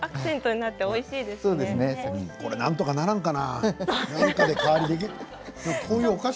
なんとかならんかな？